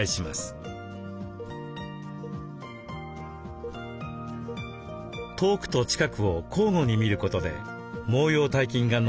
遠くと近くを交互に見ることで毛様体筋が伸び縮みし凝りを改善します。